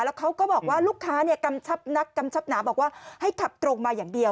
แล้วเขาก็บอกว่าลูกค้ากำชับนักกำชับหนาบอกว่าให้ขับตรงมาอย่างเดียว